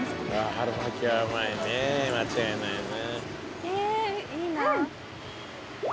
春巻きはうまいね間違いないね。